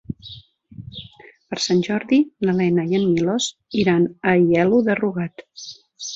Per Sant Jordi na Lena i en Milos iran a Aielo de Rugat.